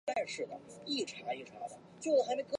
音乐风格的前卫性和多样性在这张专辑很明显。